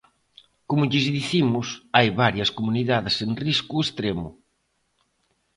Como lles dicimos, hai varias comunidades en risco estremo.